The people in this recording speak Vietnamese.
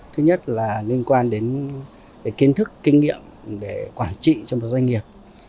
thứ nhất là liên quan đến kiến thức kinh nghiệm để quản trị cho một doanh nghiệp